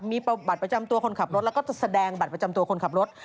มีบัตรประจำตัวคนขับรถแล้วก็จะแสดงบัตรประจำตัวคนขับรถ